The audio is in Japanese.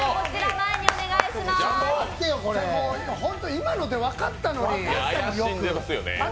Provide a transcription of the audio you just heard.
今ので分かったのに。